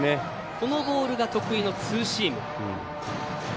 このボールが得意のツーシーム。